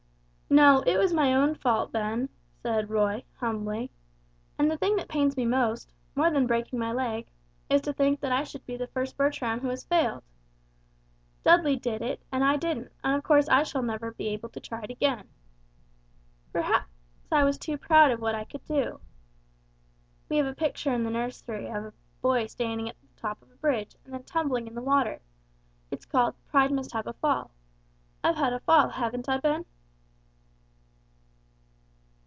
"No, it was my own fault, Ben," said Roy, humbly, "and the thing that pains me most more than breaking my leg is to think that I should be the first Bertram who has failed. Dudley did it, and I didn't, and of course I shall never be able to try it again. Perhaps I was too proud of what I could do. We have a picture in the nursery of a boy standing on the top of a bridge, and then tumbling in the water; it's called 'Pride must have a fall.' I've had a fall, haven't I, Ben?"